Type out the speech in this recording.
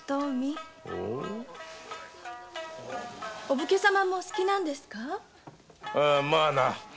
お武家様もお好きなんですか？